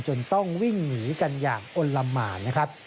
จนต้องวิ่งหนีกันอย่างอลลามมาร